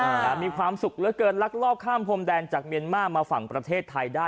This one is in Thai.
มีความสุขเหลือเกินลักลอบข้ามพรมแดนจากเมียนมาร์มาฝั่งประเทศไทยได้